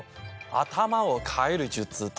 頭を変える術？